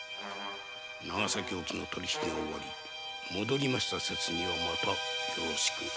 長崎沖の取り引きが終わり戻りました節にはまたよろしく。